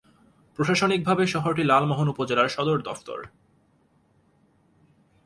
প্রশাসনিকভাবে শহরটি লালমোহন উপজেলার সদর দফতর।